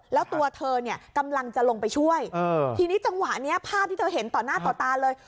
แล้วตัวเธอเนี่ยกำลังจะลงไปช่วยทีนี้จังหวะนี้ภาพที่เธอเห็นต่อหน้าต่อตาเลย